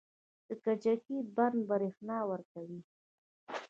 د کجکي بند بریښنا ورکوي